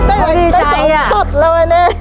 ได้เดี๋ยวสงสดเราเลย